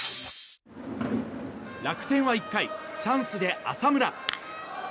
楽天は１回、チャンスで浅村。